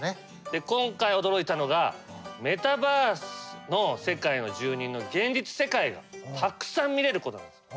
今回驚いたのがメタバースの世界の住人の現実世界がたくさん見れることなんです。